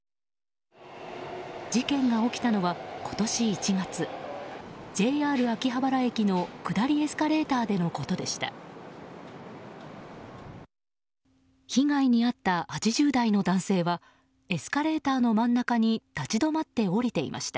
事件が起きたのは今年１月ＪＲ秋葉原駅の下りエスカレーターでのことでした。